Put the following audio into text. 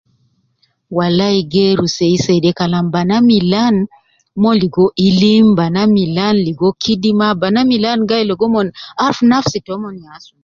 Walai geeru seiseide Kalam banaa milan mon ligo ilim banaa milan ligo kidima banaa milan gayi ligo mon aruf nafsi tomon ya sunu.